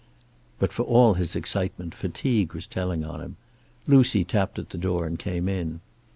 But for all his excitement fatigue was telling on him. Lucy tapped at the door and came in.